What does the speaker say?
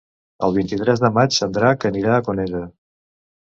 El vint-i-tres de maig en Drac anirà a Conesa.